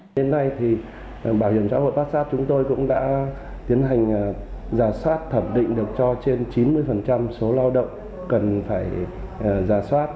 đến nay thì bảo hiểm xã hội bát sát chúng tôi cũng đã tiến hành giả soát thẩm định được cho trên chín mươi số lao động cần phải giả soát